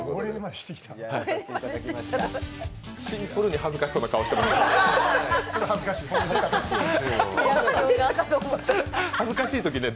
シンプルに恥ずかしそうな顔してましたね。